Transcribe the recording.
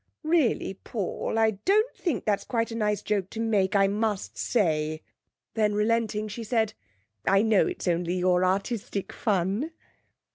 'Really, Paul, I don't think that quite a nice joke to make, I must say.' Then relenting she said: 'I know it's only your artistic fun.'